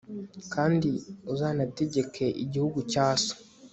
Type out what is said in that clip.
kandi uzanategeke igihugu cya so